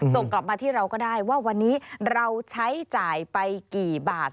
ส่งกลับมาที่เราก็ได้ว่าวันนี้เราใช้จ่ายไปกี่บาท